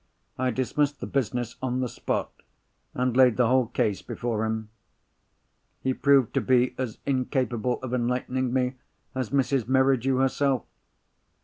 I dismissed the business on the spot, and laid the whole case before him. He proved to be as incapable of enlightening me as Mrs. Merridew herself.